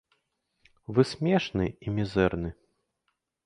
Вы смешны і мізэрны.